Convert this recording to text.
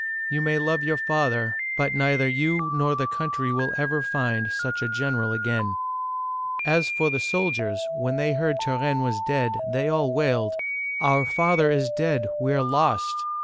You may love your father, but neither you nor the country will ever find such a general again !" As for the soldiers, when they heard Turenne was dead, they all wailed, "Our father is dead; we are lost!"